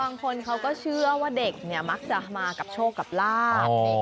บางคนเขาก็เชื่อว่าเด็กเนี่ยมักจะมากับโชคกับลาบ